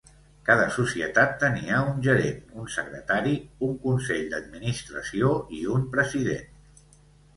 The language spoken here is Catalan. Cada societat tenia un gerent, un secretari, un consell d'administració i un president.